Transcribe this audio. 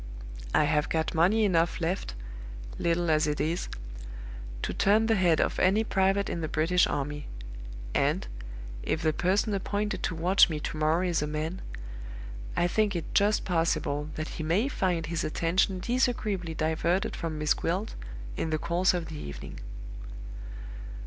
I have got money enough left, little as it is, to turn the head of any Private in the British army; and, if the person appointed to watch me to morrow is a man, I think it just possible that he may find his attention disagreeably diverted from Miss Gwilt in the course of the evening.